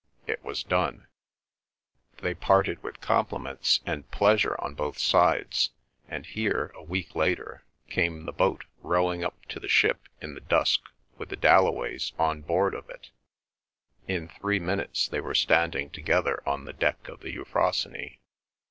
It was done. They parted with compliments and pleasure on both sides, and here, a week later, came the boat rowing up to the ship in the dusk with the Dalloways on board of it; in three minutes they were standing together on the deck of the Euphrosyne.